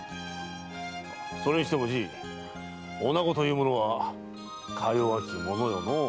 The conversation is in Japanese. それにしてもじい女子という者はか弱きものよのう。